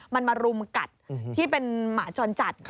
มันมารุมกัดที่เป็นหมาจรจัด